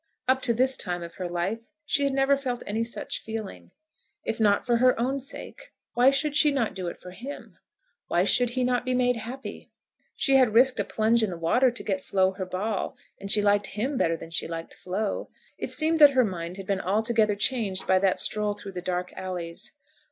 Up to this time of her life she had never felt any such feeling. If not for her own sake, why should she not do it for him? Why should he not be made happy? She had risked a plunge in the water to get Flo her ball, and she liked him better than she liked Flo. It seemed that her mind had been altogether changed by that stroll through the dark alleys.